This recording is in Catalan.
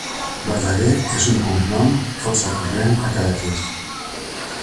Verdaguer és un cognom força corrent a Cadaqués.